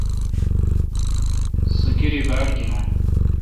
سو کاری باڑ گینون۔